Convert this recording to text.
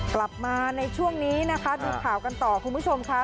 กลับมาในช่วงนี้นะคะดูข่าวกันต่อคุณผู้ชมค่ะ